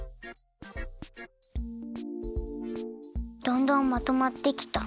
どんどんまとまってきた。